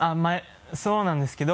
そうなんですけど。